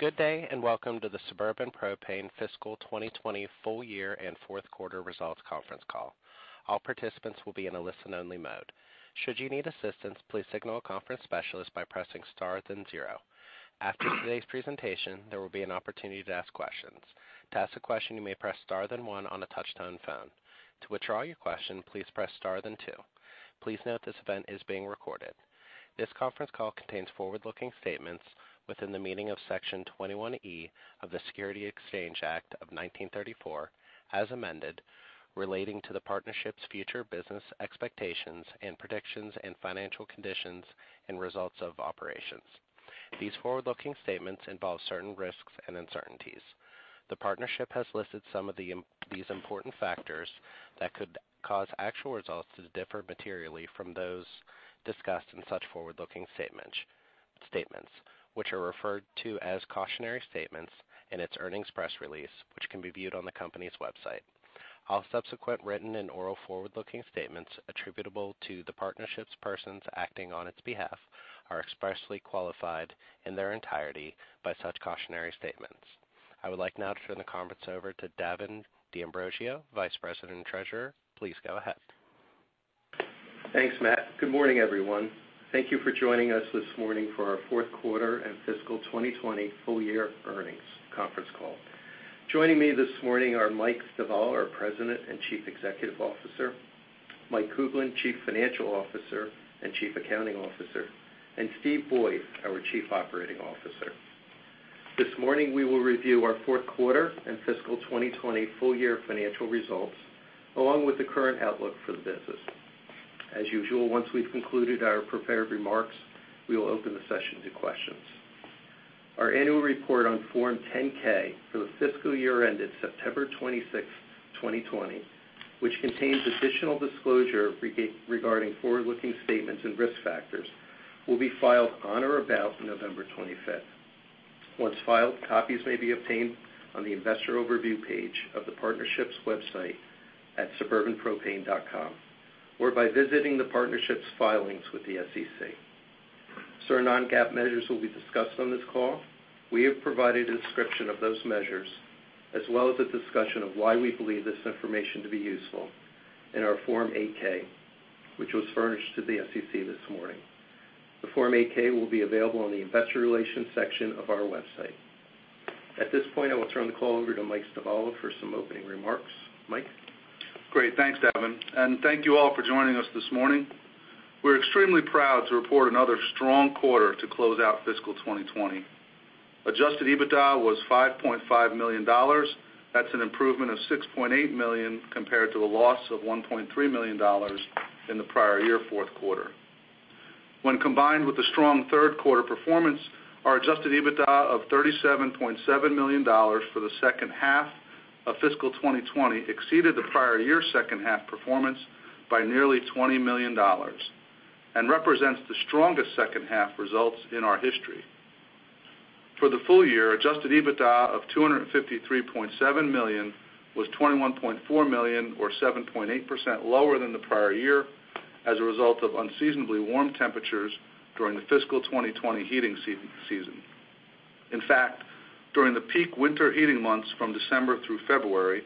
Good day, and welcome to the Suburban Propane fiscal 2020 full-year and fourth quarter results conference call. All our participants will be in listening mode. Should you need assistance, please signal a conference specialist by pressing star then zero. After today's presentation, there will be an opportunity to ask questions. To a question, you may press star key, then one on a touch phone. To withdraw your question, please press star then two. Please note that this event is being recorded. This conference call contains forward-looking statements within the meaning of Section 21E of the Securities Exchange Act of 1934, as amended, relating to the partnership's future business expectations and predictions and financial conditions and results of operations. These forward-looking statements involve certain risks and uncertainties. The partnership has listed some of these important factors that could cause actual results to differ materially from those discussed in such forward-looking statements, which are referred to as cautionary statements in its earnings press release, which can be viewed on the company's website. All subsequent written and oral forward-looking statements attributable to the partnership's persons acting on its behalf are expressly qualified in their entirety by such cautionary statements. I would like now to turn the conference over to A. Davin D'Ambrosio, Vice President and Treasurer. Please go ahead. Thanks, Matt. Good morning, everyone. Thank you for joining us this morning for our fourth quarter and fiscal 2020 full-year earnings conference call. Joining me this morning are Mike Stivala, our President and Chief Executive Officer, Mike Kuglin, Chief Financial Officer and Chief Accounting Officer, and Steve Boyd, our Chief Operating Officer. This morning, we will review our fourth quarter and fiscal 2020 full-year financial results, along with the current outlook for the business. As usual, once we've concluded our prepared remarks, we will open the session to questions. Our annual report on Form 10-K, for the fiscal year ended September 26, 2020, which contains additional disclosure regarding forward-looking statements and risk factors, will be filed on or about November 25th. Once filed, copies may be obtained on the investor overview page of the partnership's website at suburbanpropane.com or by visiting the partnership's filings with the SEC. Certain non-GAAP measures will be discussed on this call. We have provided a description of those measures, as well as a discussion of why we believe this information to be useful, in our Form 8-K, which was furnished to the SEC this morning. The Form 8-K will be available on the investor relations section of our website. At this point, I will turn the call over to Mike Stivala for some opening remarks. Mike? Great. Thanks, Davin, thank you all for joining us this morning. We're extremely proud to report another strong quarter to close out fiscal 2020. Adjusted EBITDA was $5.5 million. That's an improvement of $6.8 million compared to the loss of $1.3 million in the prior year fourth quarter. When combined with the strong third quarter performance, our Adjusted EBITDA of $37.7 million for the second half of fiscal 2020 exceeded the prior year second half performance by nearly $20 million and represents the strongest second half results in our history. For the full year, Adjusted EBITDA of $253.7 million was $21.4 million, or 7.8% lower than the prior year, as a result of unseasonably warm temperatures during the fiscal 2020 heating season. In fact, during the peak winter heating months from December through February,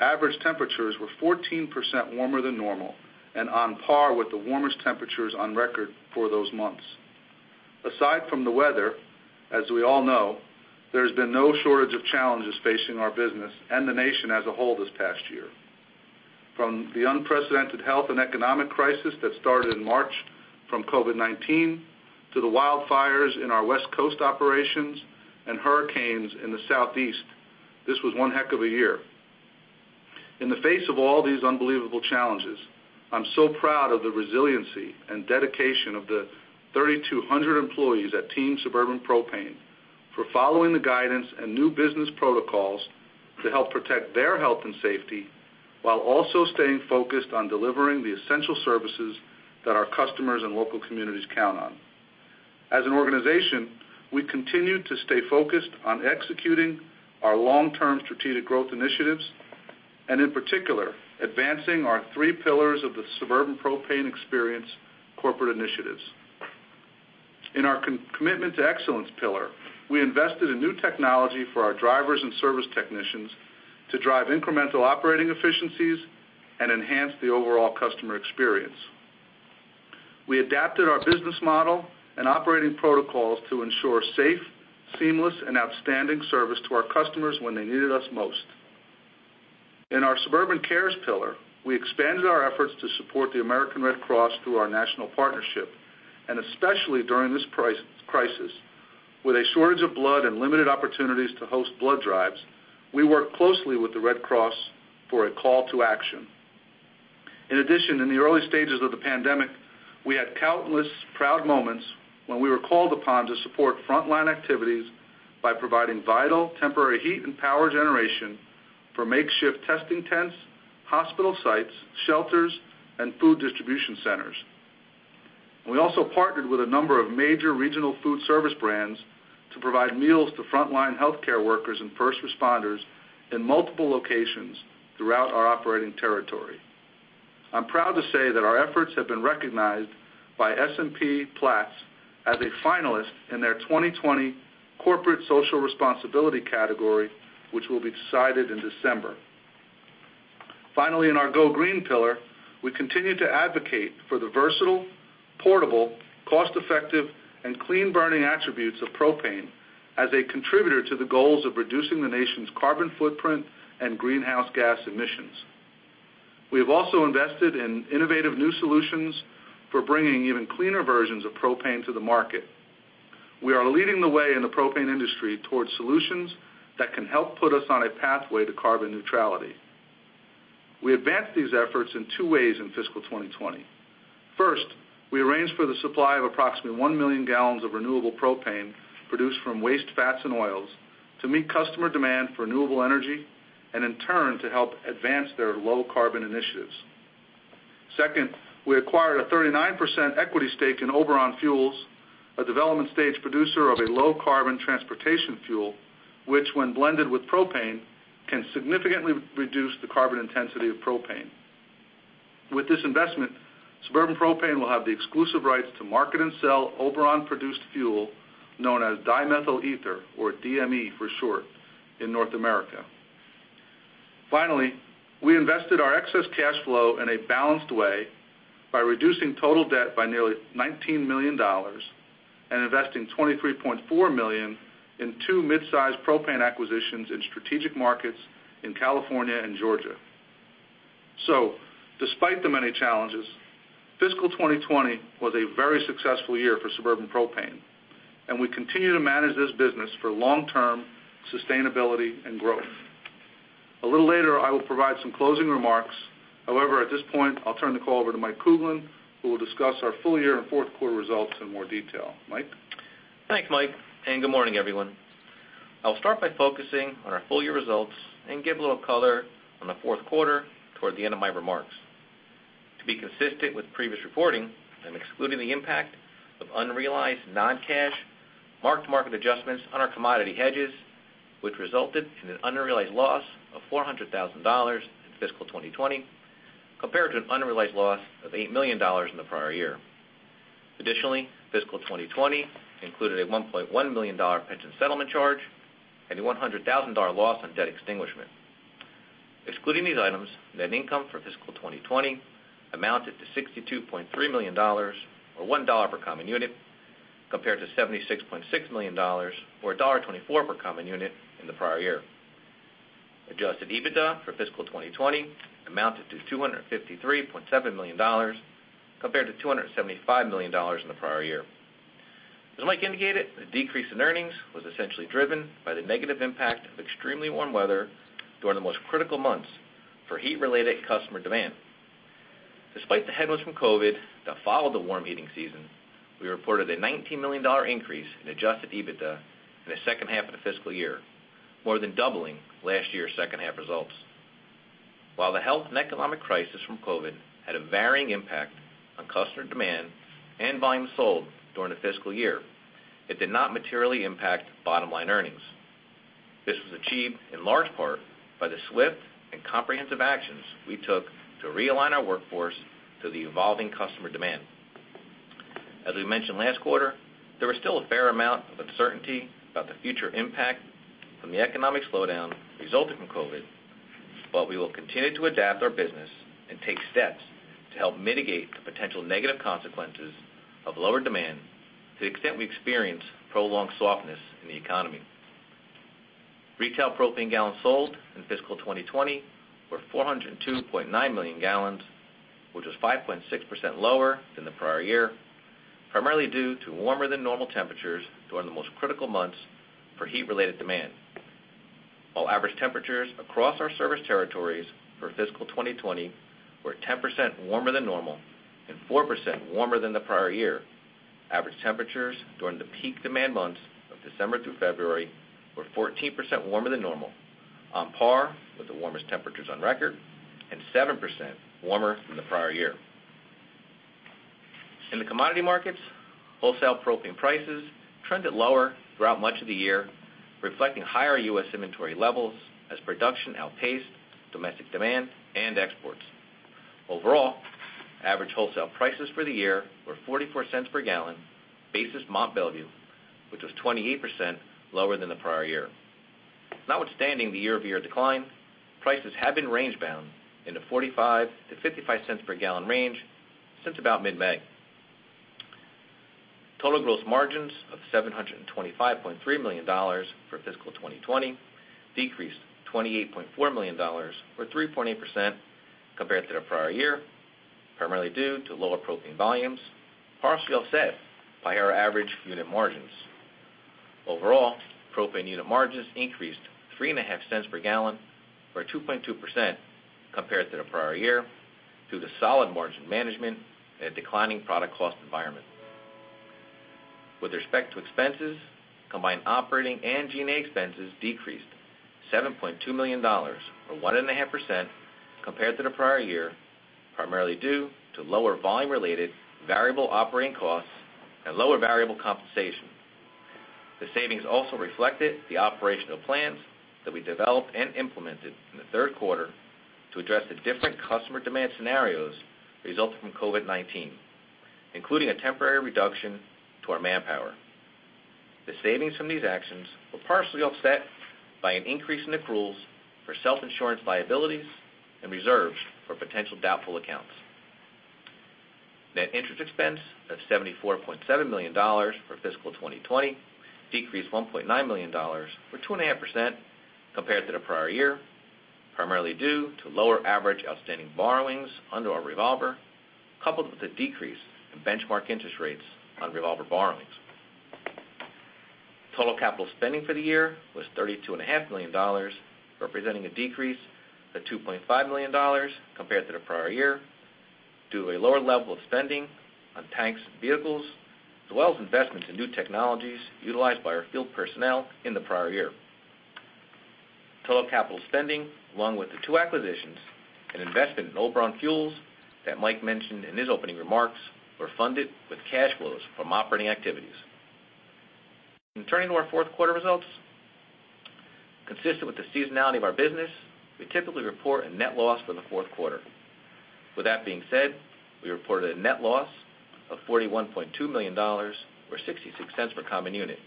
average temperatures were 14% warmer than normal and on par with the warmest temperatures on record for those months. Aside from the weather, as we all know, there's been no shortage of challenges facing our business and the nation as a whole this past year. From the unprecedented health and economic crisis that started in March from COVID-19, to the wildfires in our West Coast operations, and hurricanes in the Southeast, this was one heck of a year. In the face of all these unbelievable challenges, I'm so proud of the resiliency and dedication of the 3,200 employees at Team Suburban Propane for following the guidance and new business protocols to help protect their health and safety while also staying focused on delivering the essential services that our customers and local communities count on. As an organization, we continue to stay focused on executing our long-term strategic growth initiatives and, in particular, advancing our three pillars of the Suburban Propane Experience corporate initiatives. In our commitment to excellence pillar, we invested in new technology for our drivers and service technicians to drive incremental operating efficiencies and enhance the overall customer experience. We adapted our business model and operating protocols to ensure safe, seamless, and outstanding service to our customers when they needed us most. In our SuburbanCares pillar, we expanded our efforts to support the American Red Cross through our national partnership. Especially during this crisis, with a shortage of blood and limited opportunities to host blood drives, we worked closely with the Red Cross for a call to action. In addition, in the early stages of the pandemic, we had countless proud moments when we were called upon to support frontline activities by providing vital temporary heat and power generation for makeshift testing tents, hospital sites, shelters, and food distribution centers. We also partnered with a number of major regional food service brands to provide meals to frontline healthcare workers and first responders in multiple locations throughout our operating territory. I'm proud to say that our efforts have been recognized by S&P Global Platts as a finalist in their 2020 corporate social responsibility category, which will be decided in December. In our Go Green pillar, we continue to advocate for the versatile, portable, cost-effective, and clean-burning attributes of propane as a contributor to the goals of reducing the nation's carbon footprint and greenhouse gas emissions. We have also invested in innovative new solutions for bringing even cleaner versions of propane to the market. We are leading the way in the propane industry towards solutions that can help put us on a pathway to carbon neutrality. We advanced these efforts in two ways in fiscal 2020. First, we arranged for the supply of approximately 1 million gallons of renewable propane produced from waste fats and oils to meet customer demand for renewable energy, and in turn, to help advance their low carbon initiatives. Second, we acquired a 39% equity stake in Oberon Fuels, a development-stage producer of a low-carbon transportation fuel, which when blended with propane, can significantly reduce the carbon intensity of propane. With this investment, Suburban Propane will have the exclusive rights to market and sell Oberon produced fuel, known as dimethyl ether, or DME for short, in North America. Finally, we invested our excess cash flow in a balanced way by reducing total debt by nearly $19 million and investing $23.4 million in two mid-size propane acquisitions in strategic markets in California and Georgia. Despite the many challenges, fiscal 2020 was a very successful year for Suburban Propane, and we continue to manage this business for long-term sustainability and growth. A little later, I will provide some closing remarks. However, at this point, I'll turn the call over to Mike Kuglin, who will discuss our full-year and fourth quarter results in more detail. Mike? Thanks, Mike. Good morning, everyone. I'll start by focusing on our full-year results and give a little color on the fourth quarter toward the end of my remarks. To be consistent with previous reporting, I'm excluding the impact of unrealized non-cash mark-to-market adjustments on our commodity hedges, which resulted in an unrealized loss of $400,000 in fiscal 2020 compared to an unrealized loss of $8 million in the prior year. Additionally, fiscal 2020 included a $1.1 million pension settlement charge and a $100,000 loss on debt extinguishment. Excluding these items, net income for fiscal 2020 amounted to $62.3 million, or $1 per common unit, compared to $76.6 million or $1.24 per common unit in the prior year. Adjusted EBITDA for fiscal 2020 amounted to $253.7 million, compared to $275 million in the prior year. As Mike indicated, the decrease in earnings was essentially driven by the negative impact of extremely warm weather during the most critical months for heat-related customer demand. Despite the headwinds from COVID that followed the warm heating season, we reported a $19 million increase in Adjusted EBITDA in the second half of the fiscal year, more than doubling last year's second half results. While the health and economic crisis from COVID had a varying impact on customer demand and volume sold during the fiscal year, it did not materially impact bottom-line earnings. This was achieved in large part by the swift and comprehensive actions we took to realign our workforce to the evolving customer demand. As we mentioned last quarter, there was still a fair amount of uncertainty about the future impact from the economic slowdown resulting from COVID We will continue to adapt our business and take steps to help mitigate the potential negative consequences of lower demand to the extent we experience prolonged softness in the economy. Retail propane gallons sold in fiscal 2020 were 402.9 million gallons, which was 5.6% lower than the prior year, primarily due to warmer than normal temperatures during the most critical months for heat-related demand. While average temperatures across our service territories for fiscal 2020 were 10% warmer than normal and 4% warmer than the prior year, average temperatures during the peak demand months of December through February were 14% warmer than normal, on par with the warmest temperatures on record and 7% warmer than the prior year. In the commodity markets, wholesale propane prices trended lower throughout much of the year, reflecting higher U.S. inventory levels as production outpaced domestic demand and exports. Overall, average wholesale prices for the year were $0.44 per gallon basis Mont Belvieu, which was 28% lower than the prior year. Notwithstanding the year-over-year decline, prices have been range-bound in the $0.45-$0.55 per gallon range since about mid-May. Total gross margins of $725.3 million for fiscal 2020 decreased $28.4 million or 3.8% compared to the prior year, primarily due to lower propane volumes, partially offset by our average unit margins. Overall, propane unit margins increased $0.035 per gallon or 2.2% compared to the prior year, due to solid margin management and a declining product cost environment. With respect to expenses, combined operating and G&A expenses decreased $7.2 million or 1.5% compared to the prior year, primarily due to lower volume-related variable operating costs and lower variable compensation. The savings also reflected the operational plans that we developed and implemented in the third quarter to address the different customer demand scenarios resulting from COVID-19, including a temporary reduction to our manpower. The savings from these actions were partially offset by an increase in accruals for self-insurance liabilities and reserves for potential doubtful accounts. Net interest expense of $74.7 million for fiscal 2020 decreased $1.9 million or 2.5% compared to the prior year, primarily due to lower average outstanding borrowings under our revolver, coupled with a decrease in benchmark interest rates on revolver borrowings. Total capital spending for the year was $32.5 million, representing a decrease of $2.5 million compared to the prior year, due to a lower level of spending on tanks and vehicles, as well as investments in new technologies utilized by our field personnel in the prior year. Total capital spending, along with the two acquisitions and investment in Oberon Fuels that Mike mentioned in his opening remarks, were funded with cash flows from operating activities. Turning to our fourth quarter results. Consistent with the seasonality of our business, we typically report a net loss for the fourth quarter. With that being said, we reported a net loss of $41.2 million or $0.66 per common unit,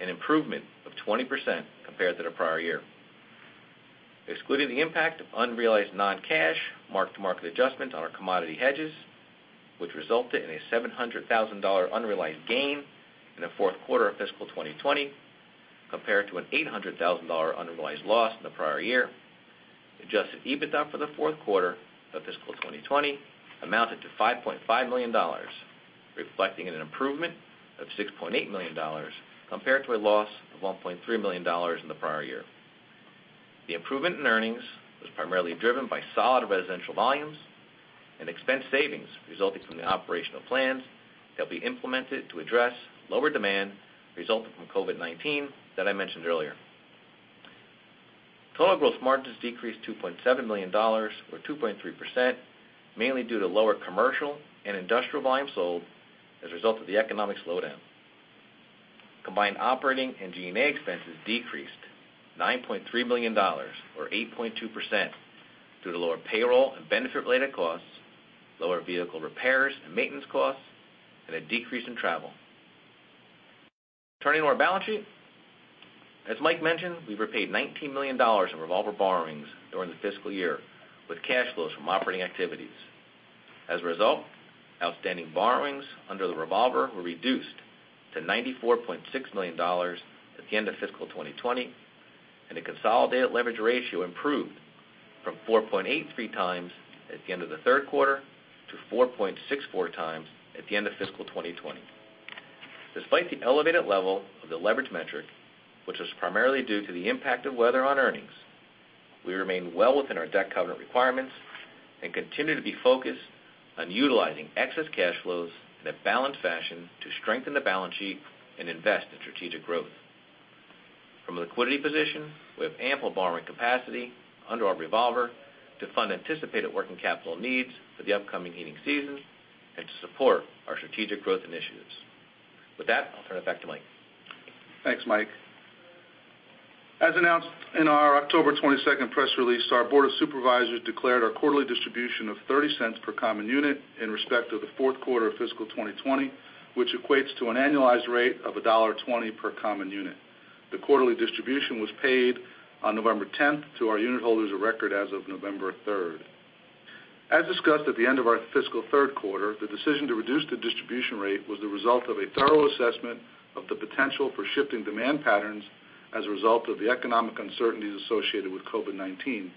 an improvement of 20% compared to the prior year. Excluding the impact of unrealized non-cash mark-to-market adjustment on our commodity hedges, which resulted in a $700,000 unrealized gain in the fourth quarter of fiscal 2020, compared to an $800,000 unrealized loss in the prior year. Adjusted EBITDA for the fourth quarter of fiscal 2020 amounted to $5.5 million, reflecting an improvement of $6.8 million compared to a loss of $1.3 million in the prior year. The improvement in earnings was primarily driven by solid residential volumes and expense savings resulting from the operational plans that we implemented to address lower demand resulting from COVID-19 that I mentioned earlier. Total gross margins decreased $2.7 million or 2.3%, mainly due to lower commercial and industrial volume sold as a result of the economic slowdown. Combined operating and G&A expenses decreased $9.3 million or 8.2% due to lower payroll and benefit-related costs, lower vehicle repairs and maintenance costs, and a decrease in travel. Turning to our balance sheet. As Mike mentioned, we've repaid $19 million in revolver borrowings during the fiscal year with cash flows from operating activities. As a result, outstanding borrowings under the revolver were reduced to $94.6 million at the end of fiscal 2020, and the consolidated leverage ratio improved from 4.83 times at the end of the third quarter to 4.64 times at the end of fiscal 2020. Despite the elevated level of the leverage metric, which was primarily due to the impact of weather on earnings, we remain well within our debt covenant requirements and continue to be focused on utilizing excess cash flows in a balanced fashion to strengthen the balance sheet and invest in strategic growth. From a liquidity position, we have ample borrowing capacity under our revolver to fund anticipated working capital needs for the upcoming heating season and to support our strategic growth initiatives. With that, I'll turn it back to Mike. Thanks, Mike. As announced in our October 22nd press release, our board of supervisors declared our quarterly distribution of $0.30 per common unit in respect of the fourth quarter of fiscal 2020, which equates to an annualized rate of $1.20 per common unit. The quarterly distribution was paid on November 10th to our unit holders of record as of November 3rd. As discussed at the end of our fiscal third quarter, the decision to reduce the distribution rate was the result of a thorough assessment of the potential for shifting demand patterns as a result of the economic uncertainties associated with COVID-19,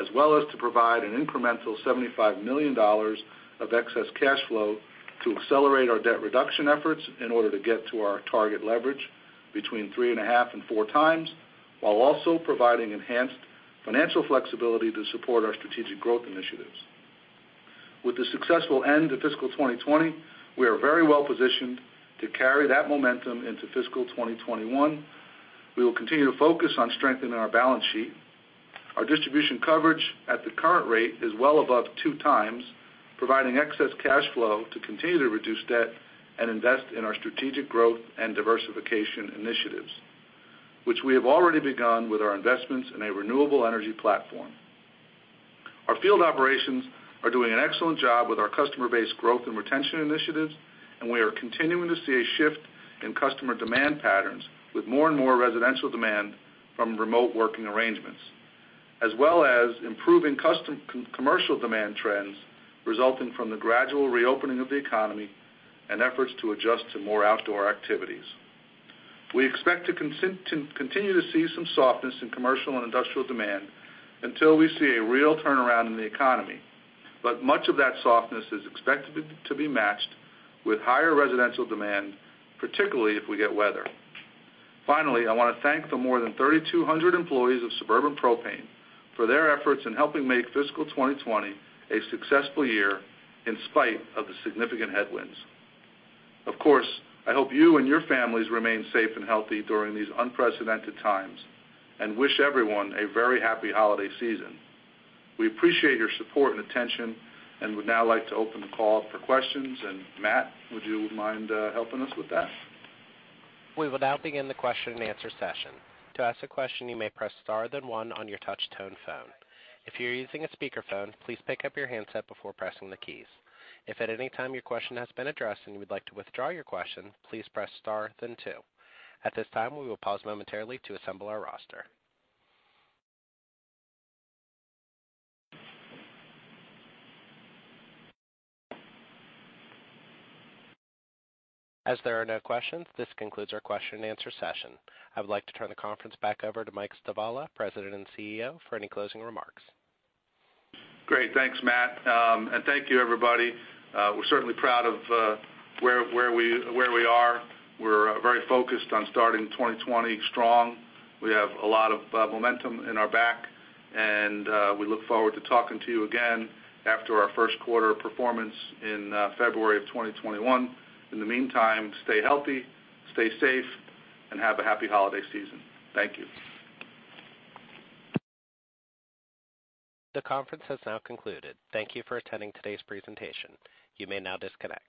as well as to provide an incremental $75 million of excess cash flow to accelerate our debt reduction efforts in order to get to our target leverage between three and a half and four times, while also providing enhanced financial flexibility to support our strategic growth initiatives. With the successful end to fiscal 2020, we are very well positioned to carry that momentum into fiscal 2021. We will continue to focus on strengthening our balance sheet. Our distribution coverage at the current rate is well above 2x, providing excess cash flow to continue to reduce debt and invest in our strategic growth and diversification initiatives, which we have already begun with our investments in a renewable energy platform. Our field operations are doing an excellent job with our customer base growth and retention initiatives, and we are continuing to see a shift in customer demand patterns with more and more residential demand from remote working arrangements. As well as improving commercial demand trends resulting from the gradual reopening of the economy and efforts to adjust to more outdoor activities. We expect to continue to see some softness in commercial and industrial demand until we see a real turnaround in the economy. Much of that softness is expected to be matched with higher residential demand, particularly if we get weather. Finally, I want to thank the more than 3,200 employees of Suburban Propane for their efforts in helping make fiscal 2020 a successful year in spite of the significant headwinds. Of course, I hope you and your families remain safe and healthy during these unprecedented times, and wish everyone a very happy holiday season. We appreciate your support and attention, and would now like to open the call up for questions. Matt, would you mind helping us with that? We will now begin the question and answer session. To ask a question, you may press star then one on your touch-tone phone. If you're using a speakerphone, please pick up your handset before pressing the keys. If at any time your question has been addressed, we'd like to withdraw your question. Please press star then two at this time. We will pause momentarily to assemble our roster. As there are no questions. This concludes our question-answer session. I would like to turn the conference back over to Mike Stivala, President and CEO, for any closing remarks. Great. Thanks, Matt. Thank you, everybody. We're certainly proud of where we are. We're very focused on starting 2020 strong. We have a lot of momentum in our back, and we look forward to talking to you again after our first quarter performance in February of 2021. In the meantime, stay healthy, stay safe, and have a happy holiday season. Thank you. The conference has now concluded. Thank you for attending today's presentation. You may now disconnect.